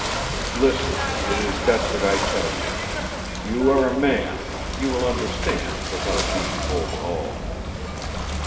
"Listen. It is best that I tell you. You are a man, you will understand, without being told all.